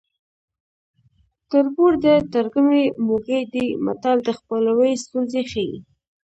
تربور د ترږمې موږی دی متل د خپلوۍ ستونزې ښيي